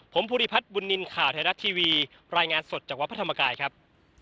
ผมภูริพัฒน์บุญนินทร์ข่าวไทยรัฐทีวีรายงานสดจากวัดพระธรรมกายครับ